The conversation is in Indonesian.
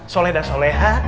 soleh dan soleha